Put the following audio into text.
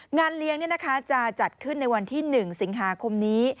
งานเลี้ยงจะจัดขึ้นในวันที่๑สิงหาคมนี้